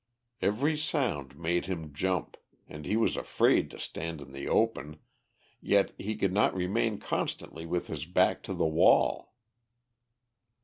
Every sound made him jump, and he was afraid to stand in the open, yet he could not remain constantly with his back to the wall.